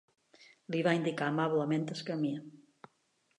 Li va indicar amablement el camí.